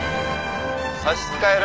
差し支える？